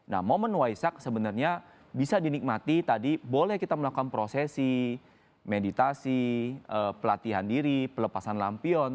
nah momen waisak sebenarnya bisa dinikmati tadi boleh kita melakukan prosesi meditasi pelatihan diri pelepasan lampion